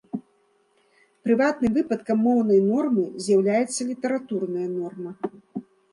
Прыватным выпадкам моўнай нормы з'яўляецца літаратурная норма.